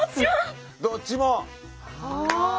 どっちも？